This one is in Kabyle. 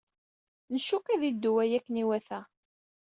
Ncukk ad iddu waya akken iwata.